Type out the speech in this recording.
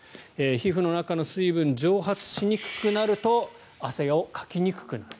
皮膚の中の水分蒸発しにくくなると汗をかきにくくなる。